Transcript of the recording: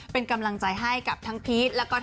เป็นกำลังใจให้กับทั้งพีช